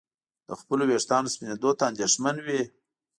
د خپلو ویښتانو سپینېدو ته اندېښمن وي.